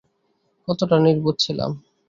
কতটা নির্বোধ ছিলাম!